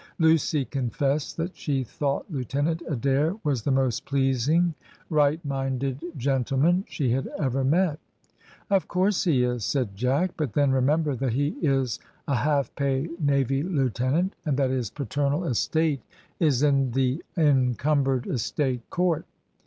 Lucy confessed that she thought Lieutenant Adair was the most pleasing, right minded gentleman she had ever met. "Of course he is," said Jack. "But then, remember that he is a half pay navy lieutenant, and that his paternal estate is in the Encumbered Estate Court."